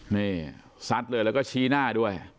นี่ซัดเลยแล้วก็ชี้หน้าด้วย